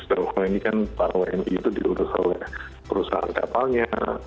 karena wni kan para wni itu diurus oleh perusahaan kapalnya